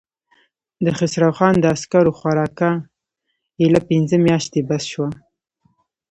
د خسرو خان د عسکرو خوراکه اېله پنځه مياشتې بس شوه.